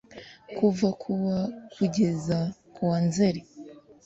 kuva ku wa kugeza ku wa Nzeri